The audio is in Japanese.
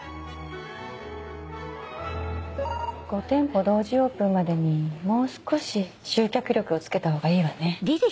５店舗同時オープンまでにもう少し集客力をつけたほうがいいわね。